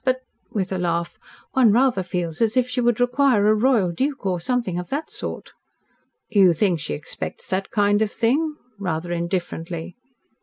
But " with a laugh "one rather feels as if she would require a royal duke or something of that sort." "You think she expects that kind of thing?" rather indifferently.